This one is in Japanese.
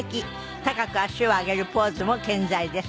高く足を上げるポーズも健在です。